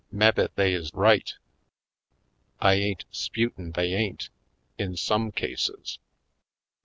Mebbe they is right — I ain't 'sputin' they ain't, in some cases.